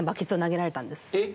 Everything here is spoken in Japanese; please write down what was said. えっ！